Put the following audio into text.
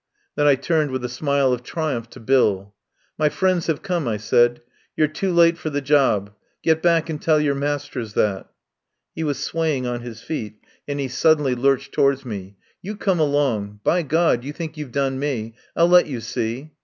Then I turned with a smile of triumph to Bill. "My friends have come," I said. "You're too late for the job. Get back and tell your masters that." He was swaying on his feet, and he sud 148 RESTAURANT IN ANTIOCH STREET denly lurched towards me. "You come along. By God, you think you've done me. I'll let you see."